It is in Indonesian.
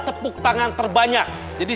tepuk tangan terbanyak jadi